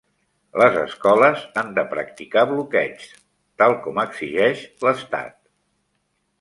Les escoles han de practicar bloqueigs, tal com exigeix l'estat.